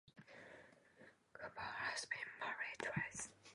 Goodall has been married twice.